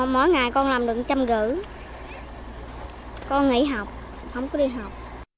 mỗi ngày con làm được chăm gử con nghỉ học không có đi học